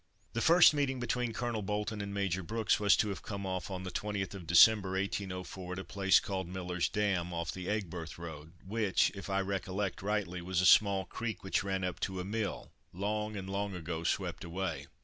The first meeting between Colonel Bolton and Major Brooks was to have come off on the 20th December, 1804, at a place called Miller's Dam, off the Aigburth road, which, if I recollect rightly, was a small creek which ran up to a mill long and long ago swept away.